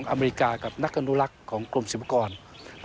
และมรดกทางวัฒนธรรมอื่นอื่นนะครับ